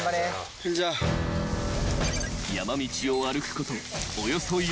［山道を歩くことおよそ４時間］